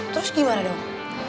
terus gimana dong